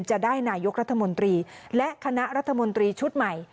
จะได้นายกรัฐมนตรีและคณะรัฐมนตรีชุดใหม่